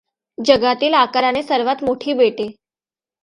जगातील आकाराने सर्वात मोठी बेटे